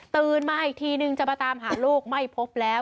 มาอีกทีนึงจะมาตามหาลูกไม่พบแล้ว